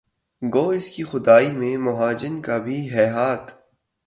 گو اس کی خدائی میں مہاجن کا بھی ہے ہاتھ